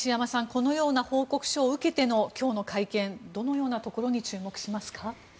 このような報告書を受けての今日の会見、どのようなところに注目しますか？